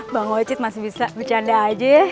bang wajid masih bisa bercanda aja